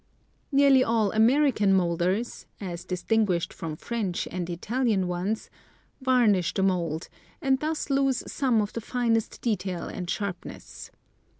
Nearly all American moulders (as distinguished from French and Italian ones) varnish the mould, and thus lose some of the finest detail and sharpness.